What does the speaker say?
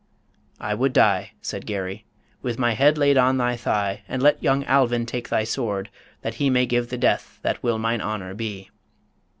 ... "I would die," Said Garry, "with my head laid on thy thigh; And let young Alvin take thy sword, that he May give the death that will mine honour be."